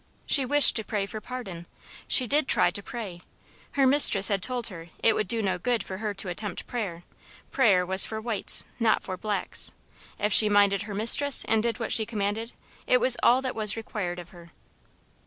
She wished to pray for pardon. She did try to pray. Her mistress had told her it would "do no good for her to attempt prayer; prayer was for whites, not for blacks. If she minded her mistress, and did what she commanded, it was all that was required of her."